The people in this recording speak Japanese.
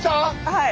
はい。